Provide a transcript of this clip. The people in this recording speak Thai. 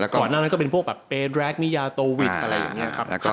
ก่อนนั้นก็เป็นพวกแบบเปรย์แดรกมียาโตวิทย์อะไรอย่างเงี้ยครับ